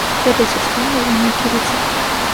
Ведайце, што ён ужо нейкі рыцар!